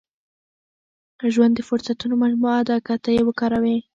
• ژوند د فرصتونو مجموعه ده، که ته یې وکاروې.